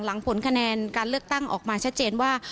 ผลคะแนนการเลือกตั้งออกมาชัดเจนว่า